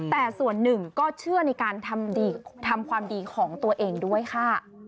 แต่ส่วนหนึ่งก็เชื่อในการทำความดีของตัวเองด้วยค่ะ